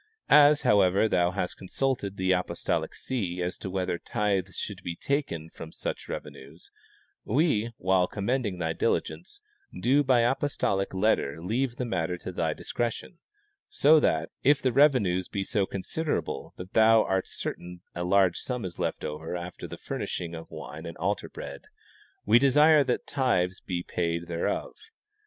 As, however, thou hast consulted the apostolic see as to whether tithes should be taken from such revenues, we, while commending thy diligence, do by apostolic letter leave the matter to thy discretion, so that, if the revenues be so considerable that thou art certain a large sum is left over after the furnishing of wine and altar bread, we desire that tithes be paid thereof.